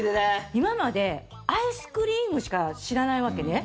今までアイスクリームしか知らないわけね。